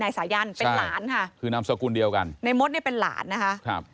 นายสายันเป็นหลานค่ะในมดเป็นหลานนะคะ